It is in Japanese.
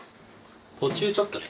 途中ちょっとね。